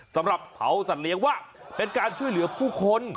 สำหรับผาวสัตว์ประเภอสัตว์เป็นการช่วยเหลือผู้คน